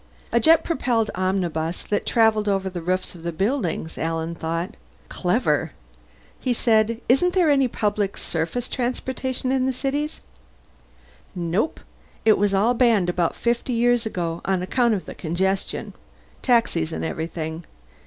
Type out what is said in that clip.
A jet propelled omnibus that travelled over the roofs of the buildings, Alan thought. Clever. He said, "Isn't there any public surface transportation in the city?" "Nope. It was all banned about fifty years ago, on account of the congestion. Taxis and everything.